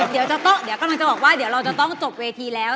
เดี๋ยวก็จะบอกว่าเราจะต้องจบเวทีแล้ว